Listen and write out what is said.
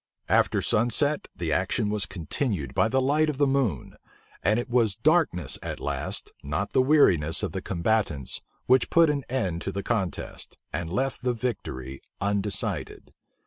After sunset, the action was continued by the light of the moon; and it was darkness at last, not the weariness of the combatants, which put an end to the contest, and left the victory undecided.